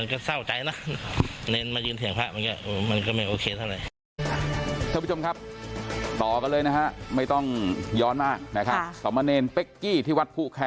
อย่าให้มีในวัด